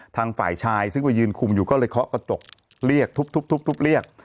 ทางฝ่ายชายซึ่งไปยืนคุมอยู่ก็เลยเคาะกระจกเรียกทุบเรียก